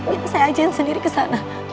biar saya aja yang sendiri kesana